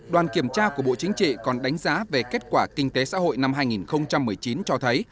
đoàn kiểm tra của bộ chính trị còn đánh giá về kết quả kinh tế xã hội năm hai nghìn một mươi chín cho thấy